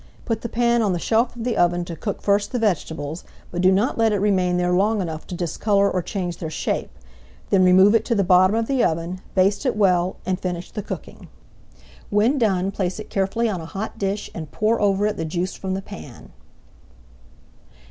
Put the pan on the shelf of the oven to cook first the vegetables, but do not let it remain there long enough to discolor or change their shape; then remove it to the bottom of the oven, baste it well, and finish the cooking. When done place it carefully on a hot dish, and pour over it the juice from the pan.